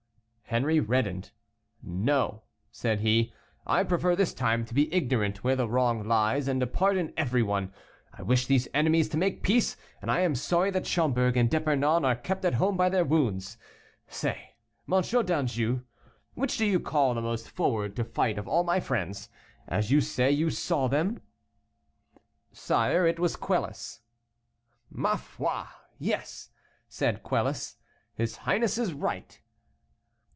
Henri reddened. "No," said he, "I prefer this time to be ignorant where the wrong lies, and to pardon everyone. I wish these enemies to make peace, and I am sorry that Schomberg and D'Epernon are kept at home by their wounds. Say, M. d'Anjou, which do you call the most forward to fight of all my friends, as you say you saw them?" "Sire, it was Quelus." "Ma foi! yes," said Quelus, "his highness is right."